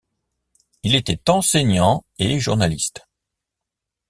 Il était enseignant et journaliste.